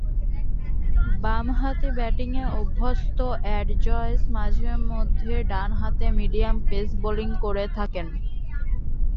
বামহাতি ব্যাটিংয়ে অভ্যস্ত এড জয়েস মাঝে-মধ্যে ডানহাতে মিডিয়াম পেস বোলিং করে থাকেন।